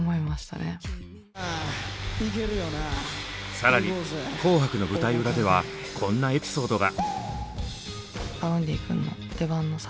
更に「紅白」の舞台裏ではこんなエピソードが。